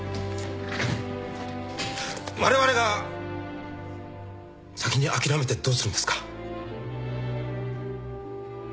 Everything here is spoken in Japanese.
われわれが先に諦めてどうするんですか。